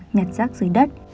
nhặt rác dưới đất